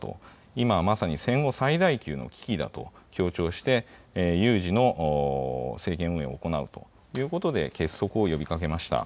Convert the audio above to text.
今まさに戦後最大級の危機だと強調して有事の政権運営を行うということで結束を呼びかけました。